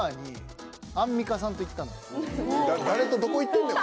誰とどこ行っとんねん。